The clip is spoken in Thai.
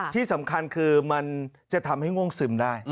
ที่สำคัญคือมันจะทำให้ง่วงซึมได้